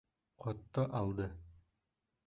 Ҡотто алды.